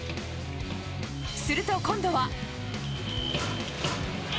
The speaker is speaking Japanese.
すると今度は。